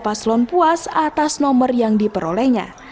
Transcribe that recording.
dua paselon puas atas nomor yang diperolehnya